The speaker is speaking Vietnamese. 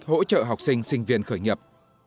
kết quả cho học sinh sinh viên khởi nghiệp